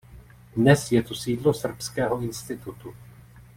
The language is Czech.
Dnes je tu sídlo Srbského institutu.